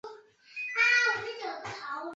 出生于纽奥良。